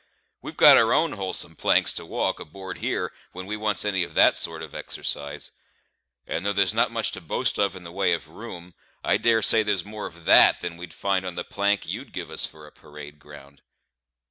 We've got our own wholesome planks to walk, aboard here, when we wants any of that sort of exercise; and though there's not much to boast of in the way of room, I dare say there's more of that than we'd find on the plank you'd, give us for a parade ground.